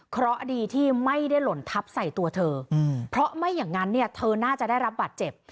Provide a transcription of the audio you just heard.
เพราะดีที่ไม่ได้หล่นทับใส่ตัวเธอเพราะไม่อย่างนั้นเนี่ยเธอน่าจะได้รับบาดเจ็บ